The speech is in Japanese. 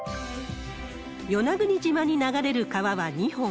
与那国島に流れる川は２本。